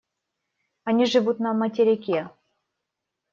Они живут на материке.